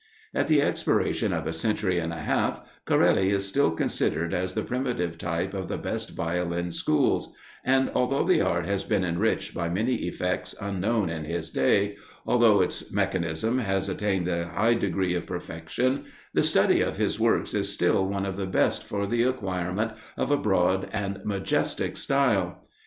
At the expiration of a century and a half, Corelli is still considered as the primitive type of the best Violin schools; and although the art has been enriched by many effects unknown in his day; although its mechanism has attained a high degree of perfection, the study of his works is still one of the best for the acquirement of a broad and majestic style.